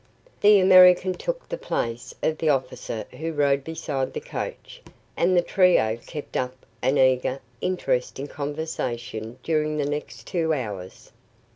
"The American" took the place of the officer who rode beside the coach, and the trio kept up an eager, interesting conversation during the next two hours.